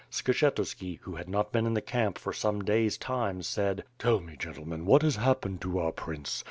Skshetu§ki, who had not been in the camp for some days time, said: "Tell me, gentlemen, what has happened to our Prince?